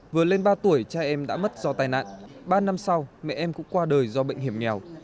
vừa lên ba tuổi cha em đã mất do tai nạn ba năm sau mẹ em cũng qua đời do bệnh hiểm nghèo